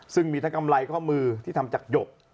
ซึ่งมีทั้งกำไรข้อมือที่ทำจากหยก